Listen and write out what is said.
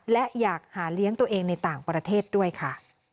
และอยากหาเลี้ยงตัวเองในต่างประเทศด้วยค่ะ